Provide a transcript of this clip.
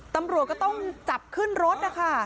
ตำรวจก็ต้องจับขึ้นรถนะคะ